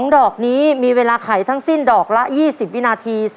๒ดอกนี้มีเวลาไขทั้งสิ้นดอกละ๒๐วินาที